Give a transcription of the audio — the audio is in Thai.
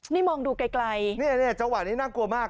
นี่มองดูไกลเนี่ยจังหวะนี้น่ากลัวมาก